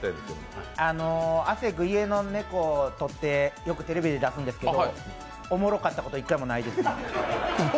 亜生君、家の猫を撮ってよくテレビで出すんですけどおもろかったこと１回もないです。